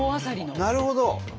なるほど！